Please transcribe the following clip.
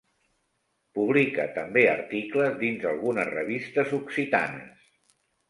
Publica també articles dins algunes revistes occitanes.